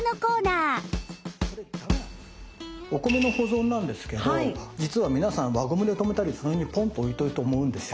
お米の保存なんですけど実は皆さん輪ゴムで留めたりその辺にぽんと置いとくと思うんですよ。